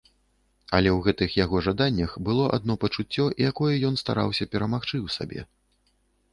Але ў гэтых яго жаданнях было адно пачуццё, якое ён стараўся перамагчы ў сабе.